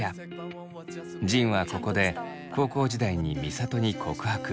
仁はここで高校時代に美里に告白。